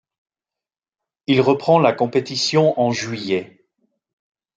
Il reprend la compétition en juillet.